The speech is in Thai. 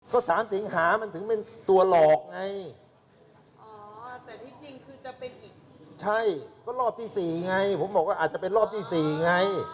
ก็๓สิงหามันถึงเป็นตัวหลอกไง